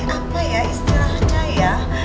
apa ya istilahnya ya